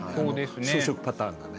装飾パターンがね。